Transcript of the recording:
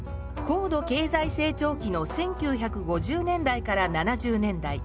高度経済成長期の１９５０年代から７０年代。